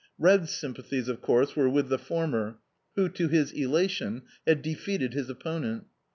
, Red's sympathies, of course, were with the former, who, to his elation, had defeated his opponent.